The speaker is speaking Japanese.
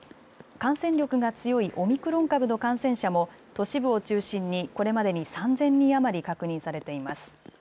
感染力が強いオミクロン株の感染者も都市部を中心にこれまでに３０００人余り確認されています。